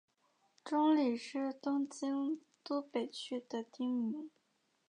中里是东京都北区的町名。